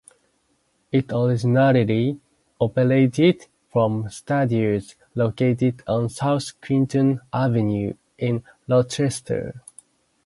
It originally operated from studios located on South Clinton Avenue in Rochester.